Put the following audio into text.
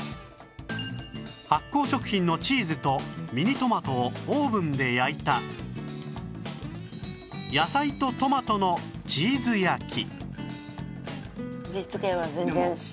発酵食品のチーズとミニトマトをオーブンで焼いた野菜とトマトのチーズ焼き